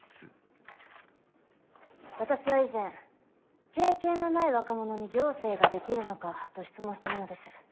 私は以前「経験のない若者に行政ができるのか」と質問した者です。